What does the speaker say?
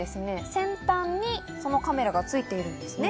先端にそのカメラが付いているんですね。